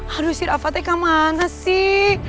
aduh si rafa kamu mana sih